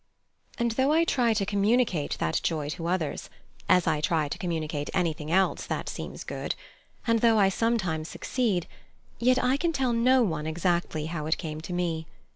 And though I try to communicate that joy to others as I try to communicate anything else that seems good and though I sometimes succeed, yet I can tell no one exactly how it came to me.